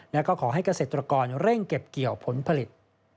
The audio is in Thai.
และก็ขอให้เกษตรกรเร่งเก็บเกี่ยวผลผลิต